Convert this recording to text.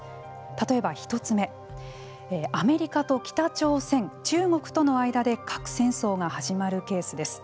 例えば１つめアメリカと北朝鮮、中国との間で核戦争が始まるケースです。